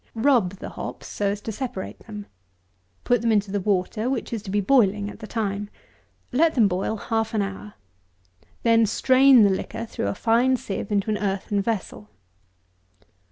Rub the hops, so as to separate them. Put them into the water, which is to be boiling at the time. Let them boil half an hour. Then strain the liquor through a fine sieve into an earthen vessel.